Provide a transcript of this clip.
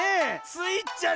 スイちゃん